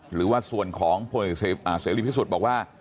หรือว่าส่วนของพ่อเหนื่อยเศรษฐฤทธิสุทธิ์บอกว่า